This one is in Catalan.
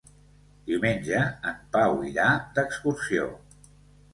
Diumenge en Pau irà d'excursió.